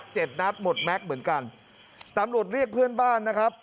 นัดหมดแม็กซ์เหมือนกันตำรวจเรียกเพื่อนบ้านนะครับ